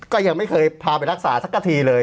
ก็ยังไม่เคยพาไปรักษาสักกะทีเลย